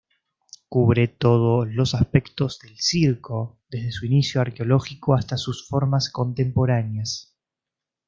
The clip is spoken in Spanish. Cubre todos los aspectos del circo, desde su inicio arqueológico hasta sus formas contemporáneas.